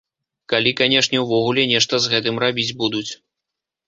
Калі, канешне, ўвогуле нешта з гэтым рабіць будуць.